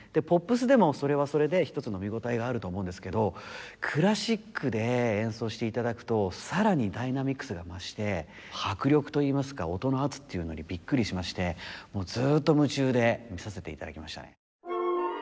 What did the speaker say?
ポップスでもそれはそれで一つの見応えがあると思うんですけどクラシックで演奏して頂くとさらにダイナミクスが増して迫力といいますか音の圧っていうのにびっくりしましてずーっと夢中で見させて頂きましたね。